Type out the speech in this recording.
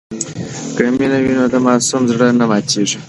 که مینه وي نو د ماسوم زړه نه ماتېږي.